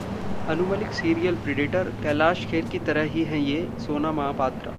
अनु Malik Serial Predator, Kailash Kher की तरह ही हैं ये: सोना महापात्रा